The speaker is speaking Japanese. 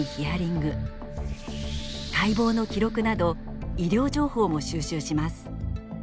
解剖の記録など医療情報も収集します。